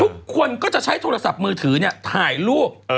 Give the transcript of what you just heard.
ทุกคนก็จะใช้โทรศัพท์มือถือถ่ายรูป